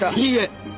いいえ！